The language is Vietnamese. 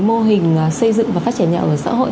mô hình xây dựng và phát triển nhà ở xã hội